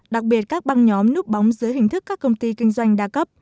đặc biệt các băng nhóm núp bóng dưới hình thức các công ty kinh doanh đa cấp